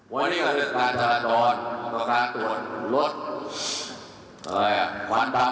วันนี้ก็เรื่องการจาระดอดการตรวจรถอะไรอ่ะความตำ